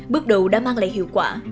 bước đầu đã mang lại hiệu quả